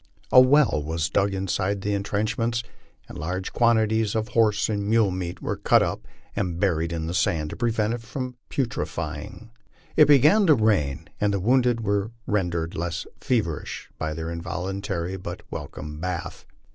A well was dug inside the intrenchments, and large quantities of horje and mule meat were cut off and buried in the sand to prevent it from putrefy ing. It began to rain, and the wounded were rendered less feverish by thei.: involuntary but welcome bath.